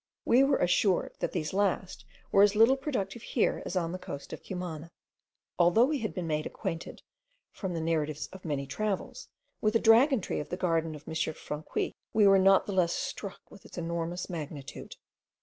We were assured, that these last were as little productive here as on the coast of Cumana. Although we had been made acquainted, from the narratives of many travellers, with the dragon tree of the garden of M. Franqui, we were not the less struck with its enormous magnitude.